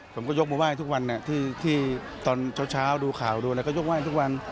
ผมก็ยกบว่าที่ทุกวันที่ที่ตอนเช้าเช้าดูข่าวดูอะไรก็ยกว่าที่ทุกวัน